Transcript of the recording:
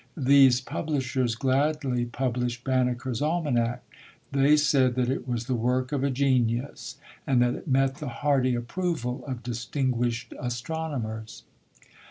These publishers gladly pub lished Banneker's almanac. They said that it was the work of a genius, and that it met the hearty approval of distinguished astronomers.